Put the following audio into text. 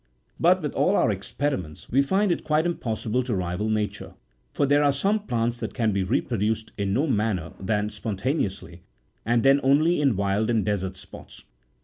But, with all our experiments, we find it quite impossible to rival Nature ; for there are some plants that can be reproduced in no other manner than spon taneously, and then only in wild and desert spots.